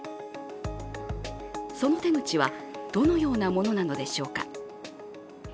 その手口はどのようなものなのでしょうか。